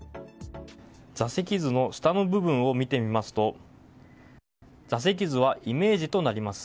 座席図の下の部分を見てみますと座席図はイメージとなります。